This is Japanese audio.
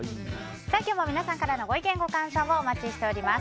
今日も皆さんからのご意見ご感想をお待ちしています。